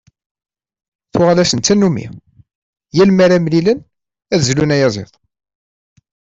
Tuɣal-asen d tannumi: yal mi ara mlilen ad d-zlun ayaziḍ.